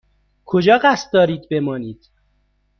کجا قصد دارید بمانید؟